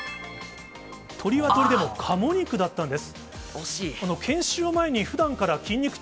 鶏は鶏でもカモ肉だったんです。